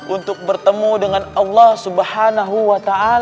untuk bertemu dengan allah swt